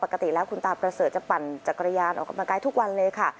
ปกติแล้วคุณตาประเสริฐจะปั่นจักรยานออกกำลังกายทุกวันเลยค่ะ